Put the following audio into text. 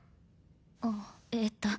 あっえっと